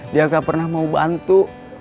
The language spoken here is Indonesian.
dia gak pernah mau bantu